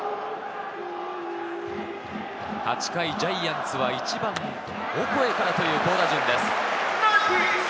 ８回、ジャイアンツは１番・オコエからという好打順です。